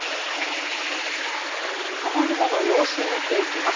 雨雲の様子、見ていきます。